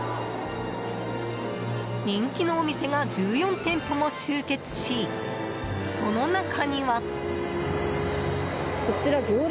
人気のお店が１４店舗も集結しその中には。